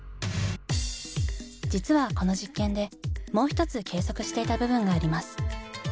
実はこの実験でもう一つ計測していた部分があります。